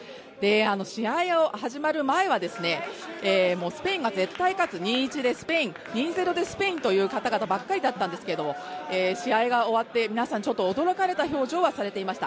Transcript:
試合が始まる前はスペインが絶対勝つ、２−１でスペイン、２−０でスペインという方々でいっぱいだったんですが皆さんちょっと驚かれた表情はしていました。